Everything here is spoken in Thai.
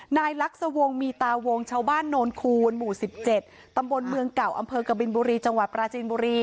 ลักษวงศ์มีตาวงชาวบ้านโนนคูณหมู่๑๗ตำบลเมืองเก่าอำเภอกบินบุรีจังหวัดปราจีนบุรี